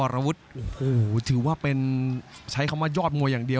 รับทราบบรรดาศักดิ์